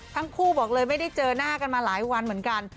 ทั้งคู่บอกเลยไม่ได้เจอหน้ากันมาหลายวันเหมือนกัน